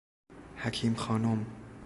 حکیم خانم